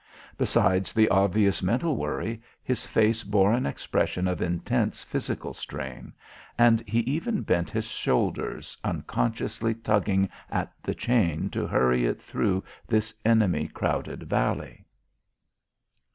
Besides the obvious mental worry, his face bore an expression of intense physical strain, and he even bent his shoulders, unconsciously tugging at the chain to hurry it through this enemy crowded valley.